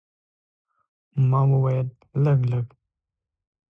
ما وویل، لږ، لږ.